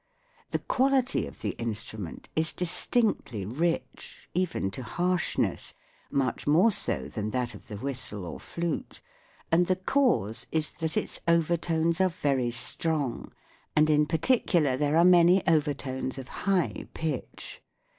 The quality of the instrument is distinctly rich, even to harshness much more so than that of the whistle or flute and the cause is that its overtones are very strong, and in particular there are many overtones of high pitch.